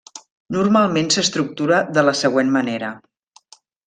Normalment s'estructura de la següent manera.